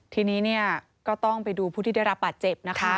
ทีนี้ก็ต้องไปดูผู้ที่ได้รับปัจเจ็บนะคะ